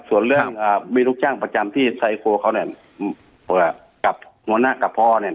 ส่วนเรื่องมีลูกจ้างประจำที่ไซโครเขาเนี่ยกับหัวหน้ากับพ่อเนี่ย